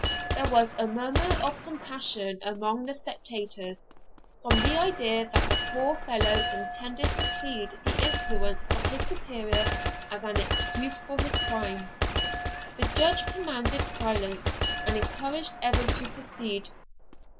There was a murmur of compassion among the spectators, from the idea that the poor fellow intended to plead the influence of his superior as an excuse for his crime. The Judge commanded silence, and encouraged Evan to proceed.